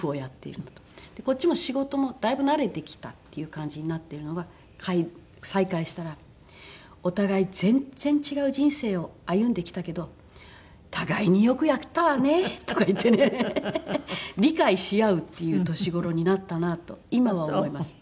こっちも仕事もだいぶ慣れてきたっていう感じになってるのが再会したら「お互い全然違う人生を歩んできたけど互いによくやったわね」とか言ってね理解し合うっていう年頃になったなと今は思います。